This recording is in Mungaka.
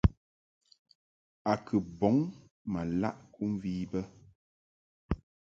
A kɨ bɔŋ ma laʼ kɨmvi bə.